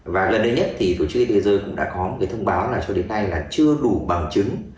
và lần đầu nhất thì tổ chức y tế giới cũng đã có một cái thông báo là cho đến nay là chưa đủ bằng chứng